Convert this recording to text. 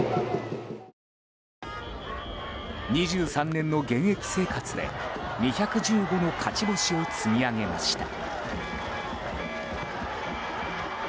２３年の現役生活で２１５もの勝ち星を積み上げました。